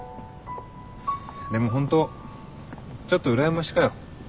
でもホントちょっとうらやましかよ。